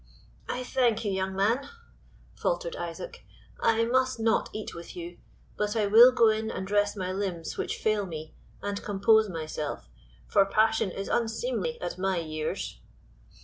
"I thank you, young man," faltered Isaac, "I must not eat with you, but I will go in and rest my limbs which fail me, and compose myself; for passion is unseemly at my years."